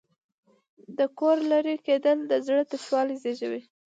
د کوره لرې کېدل د زړه تشوالی زېږوي.